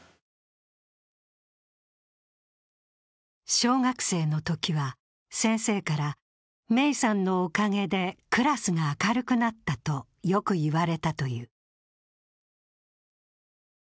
小学生のときは、先生から芽生さんのおかげでクラスが明るくなったとよく言われたという。